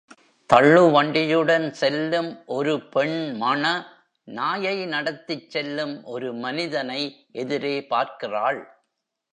தள்ளு வண்டியுடன் செல்லும் ஒரு பெண்மண நாயை நடத்திச் செல்லும் ஒரு மனிதனை எதிரே பார்க்கிறாள்.